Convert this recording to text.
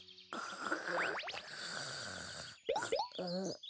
うん？